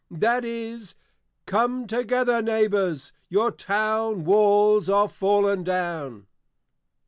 _ that is, _Come together, Neighbours, your Town Walls are fallen down!